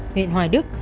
huyện hoài đức